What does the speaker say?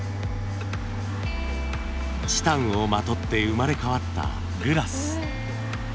チタンをまとって生まれ変わったグラス。